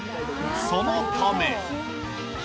そのため。